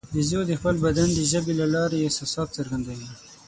بیزو د خپل بدن د ژبې له لارې احساسات څرګندوي.